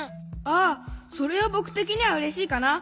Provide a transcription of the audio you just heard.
ああそれはぼくてきにはうれしいかな。